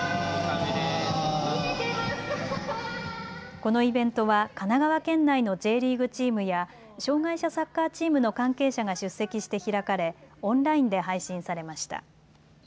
このイベントは神奈川県内のＪリーグチームや障害者サッカーチームの関係者が出席して開かれオンラインで配信されました。